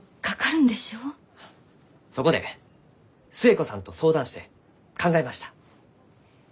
そこで寿恵子さんと相談して考えました。